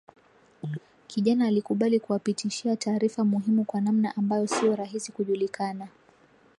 Kijana alikubali kuwapitishia taarifa muhimu kwa namna ambayo siyo rahisi kujulikana